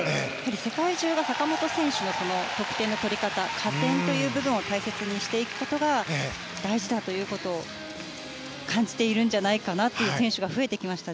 世界中が坂本選手の得点の取り方加点という部分を大切にしていくことが大事だということを感じているんじゃないかという選手が増えてきました。